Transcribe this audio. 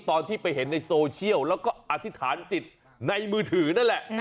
ตอนที่ไปเห็นในโซเชียลแล้วก็อธิษฐานจิตในมือถือนั่นแหละ